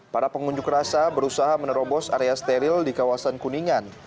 para pengunjuk rasa berusaha menerobos area steril di kawasan kuningan